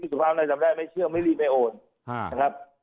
สุภาพอะไรจำได้ไม่เชื่อไม่รีบไม่โอนนะครับ